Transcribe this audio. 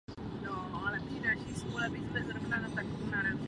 Zastával konzervativní postoje.